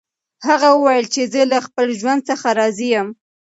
هغه وویل چې زه له خپل ژوند څخه راضي یم.